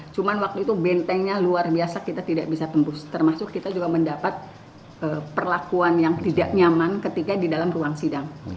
cuman waktu itu bentengnya luar biasa kita tidak bisa tembus termasuk kita juga mendapat perlakuan yang tidak nyaman ketika di dalam ruang sidang